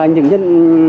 những nhân viên